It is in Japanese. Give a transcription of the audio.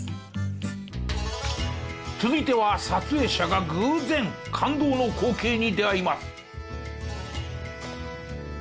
続いては撮影者が偶然感動の光景に出会います。